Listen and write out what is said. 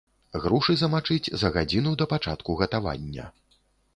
Грушы замачыць за гадзіну да пачатку гатавання.